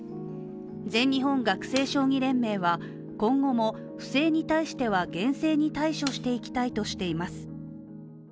全日本学生将棋連盟は、今後も不正に対しては厳正に対処していきたいとしています。